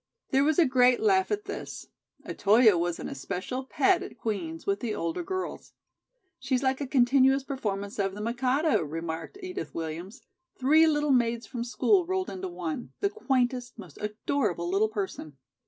There was a great laugh at this. Otoyo was an especial pet at Queen's with the older girls. "She's like a continuous performance of 'The Mikado,'" remarked Edith Williams. "Three little maids from school rolled into one, the quaintest, most adorable little person."